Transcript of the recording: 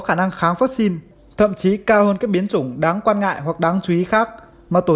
khả năng kháng vaccine thậm chí cao hơn các biến chủng đáng quan ngại hoặc đáng chú ý khác mà tổ